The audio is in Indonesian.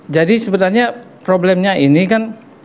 jadi sebenarnya problemnya ini kan